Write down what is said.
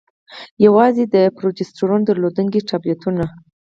يوازې د پروجسترون درلودونكي ټابليټونه: